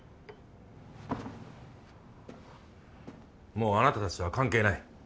もうあなた達とは関係ない。